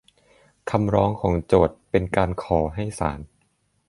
คำร้องของโจทก์ เป็นการขอให้ศาล